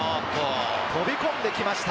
飛び込んできました。